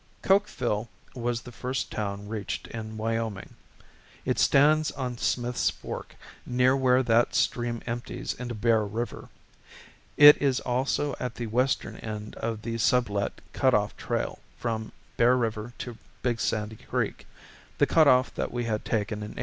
Cokeville was the first town reached in Wyoming. It stands on Smith's Fork, near where that stream empties into Bear River. It is also at the western end of the Sublette Cut off Trail from Bear River to Big Sandy Creek, the cut off that we had taken in 1852.